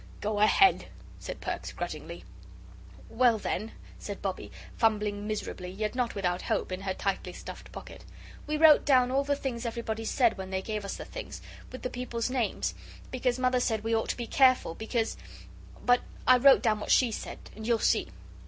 Go ahead!" said Perks, grudgingly. "Well, then," said Bobbie, fumbling miserably, yet not without hope, in her tightly stuffed pocket, "we wrote down all the things everybody said when they gave us the things, with the people's names, because Mother said we ought to be careful because but I wrote down what she said and you'll see."